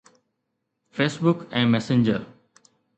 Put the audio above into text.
Facebook ۽ Messenger